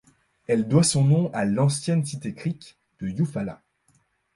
Elle doit son nom à l'ancienne cité creek de Yufala.